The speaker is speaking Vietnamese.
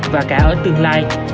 và cả ở tương lai